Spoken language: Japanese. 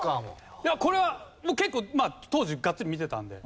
これは結構当時ガッツリ見てたんで。